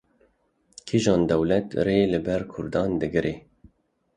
Kîjan dewlet rê li ber Kurdan digire?